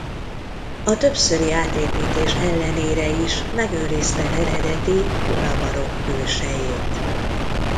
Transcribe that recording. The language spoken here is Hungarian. A többszöri átépítés ellenére is megőrizte eredeti kora barokk külsejét.